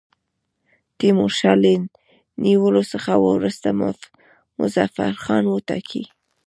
تیمورشاه له نیولو څخه وروسته مظفرخان وټاکی.